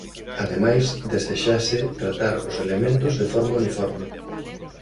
Ademais desexase tratar ós elementos de forma uniforme.